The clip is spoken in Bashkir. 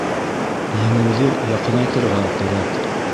Еңеүҙе яҡынайтырға кәрәк.